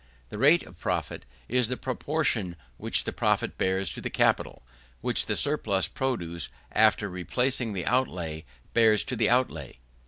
The rate of profit is the proportion which the profit bears to the capital; which the surplus produce after replacing the outlay, bears to the outlay.